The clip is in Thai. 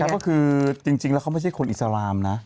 ก็คือจริงแล้วเขาไม่ใช่คนอิสลามนะ